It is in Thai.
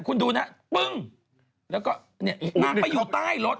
คุณดูนะปึ้งแล้วก็เนี่ยนางไปอยู่ใต้รถ